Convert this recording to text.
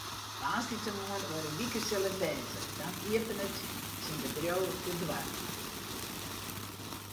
Woansdeitemoarn oer in wike sil it wêze, dan iepenet syn bedriuw de doarren.